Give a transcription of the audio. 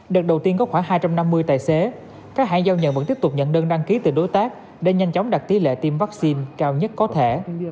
đợt đầu tiên có khoảng hai trăm năm mươi tài xế các hãng giao nhận vẫn tiếp tục nhận đơn đăng ký từ đối tác để nhanh chóng đặt tỷ lệ tiêm vaccine cao nhất có thể